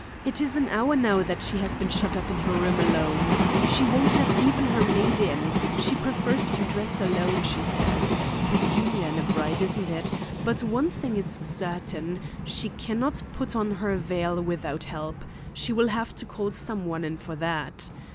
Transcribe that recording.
It is an hour now that she has been shut up in her room alone. She won't have even her maid in. She prefers to dress alone, she says. Peculiar in a bride, isn't it? But one thing is certain: she can not put on her veil without help. She will have to call some one in for that.